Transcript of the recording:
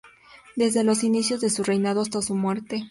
Desde los inicios de su reinado hasta su muerte.